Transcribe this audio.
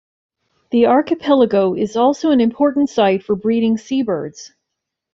The archipelago is also an important site for breeding seabirds.